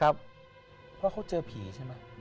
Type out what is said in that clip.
เพราะเขาเจอผีใช่ไหม